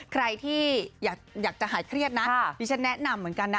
ใครที่อยากจะหายเครียดนะดิฉันแนะนำเหมือนกันนะ